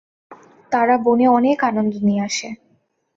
তারা বনে অনেক আনন্দ নিয়ে আসে।